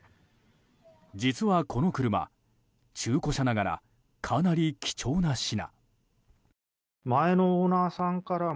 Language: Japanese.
実は、この車、中古車ながらかなり貴重な品。